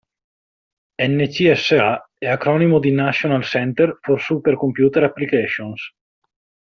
NCSA è acronimo di National Center for Supercomputer Applications.